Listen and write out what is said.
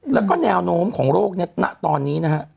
แล้วก็แนวโน้มของโรคเนี่ยณตอนนี้นะฮะ